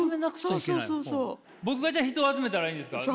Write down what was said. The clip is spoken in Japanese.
僕がじゃあ人を集めたらいいんですか？